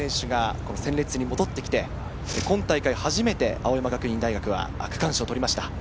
岸本選手が戦列に戻ってきて、今大会、初めて青山学院大学は区間賞を取りました。